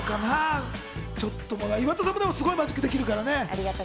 岩田さんもマジックできるからね。